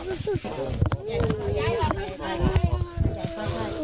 แม่งทุกคนอยาก